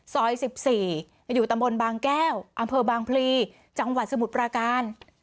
ซอย๑๔อยู่ตำบลบางแก้วอำเภอบางพลีจังหวัดสมุทรปราการ